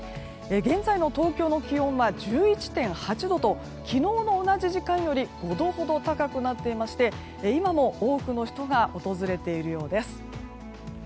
現在の東京の気温は１１．８度と昨日の同じ時間より５度ほど高くなっていまして今も多くの人が訪れているようです。